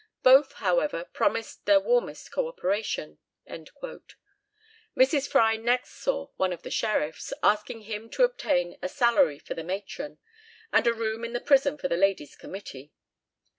Both, however, promised their warmest co operation." Mrs. Fry next saw one of the sheriffs, asking him to obtain a salary for the matron, and a room in the prison for the Ladies' Committee.